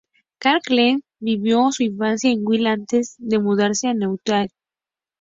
Karin Keller-Sutter vivió su infancia en Wil antes de mudarse a Neuchâtel.